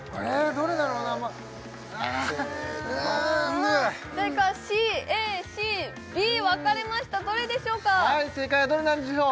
どれだろうなああうんせの左からＣＡＣＢ分かれましたどれでしょうかはい正解はどれなんでしょう